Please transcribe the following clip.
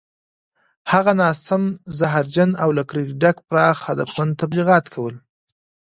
هغه ناسم، زهرجن او له کرکې ډک پراخ هدفمند تبلیغات کول